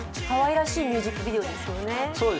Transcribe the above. かわいらしいミュージックビデオですよね。